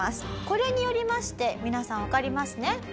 これによりまして皆さんわかりますね。